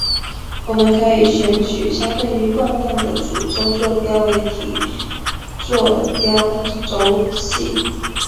我们可以选取相对于惯量的主轴坐标为体坐标轴系。